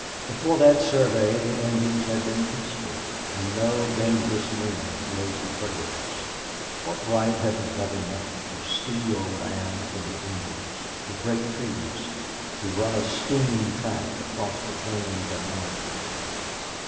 Before that survey the Indians had been peaceful; no dangerous men rode the trails. What right had the Government to steal land from the Indians, to break treaties, to run a steam track across the plains and mountains?